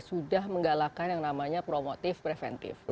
sudah menggalakan yang namanya promotif preventif